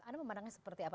ada pemerahnya seperti apa